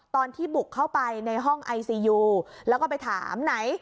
ตอนที่บุกเข้าไปในห้องไอซียูแล้วก็ไปถามไหน